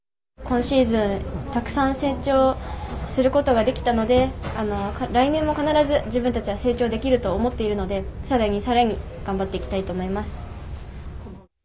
今シーズン、たくさん成長することができたので来年も必ず自分たちは成長できると思っているのでさらにさらに頑張っていきたいと思います。